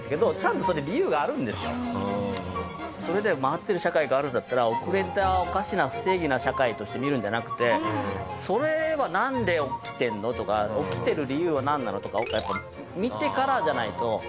それで回ってる社会があるんだったら遅れたおかしな不正義な社会として見るんじゃなくてそれはなんで起きてるの？とか起きてる理由はなんなの？とかやっぱり見てからじゃないと。